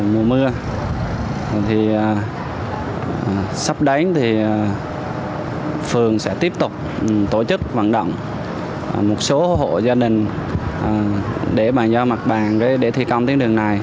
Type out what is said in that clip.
một số hộ gia đình để bàn do mặt bàn để thi công tuyến đường này